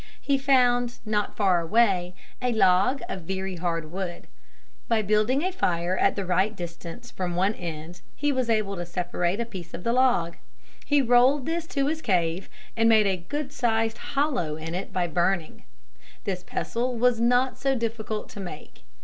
He found not far away a log of very hard wood. By building a fire at the right distance from one end he was able to separate a piece of the log. He rolled this to his cave and made a good sized hollow in it by burning. This pestle was not so difficult to make.